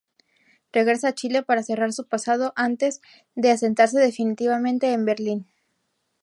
Regresa a Chile para cerrar su pasado antes de asentarse definitivamente en Berlín.